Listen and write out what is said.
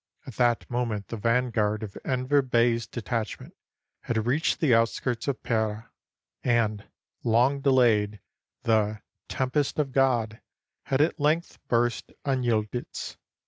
At that moment, the vanguard of Enver Bey's detachment had reached the outskirts of Pera, and, long delayed, the "tempest of God" had at length burst on Yildiz.